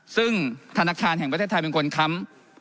ซึ่งธนาคารแห่งประเทศไทยเป็นคนค้ำ